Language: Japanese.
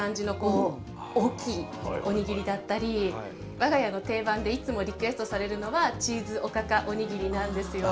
我が家の定番でいつもリクエストされるのはチーズおかかおにぎりなんですよ。